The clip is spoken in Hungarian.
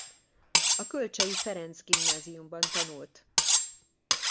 A Kölcsey Ferenc Gimnáziumban tanult.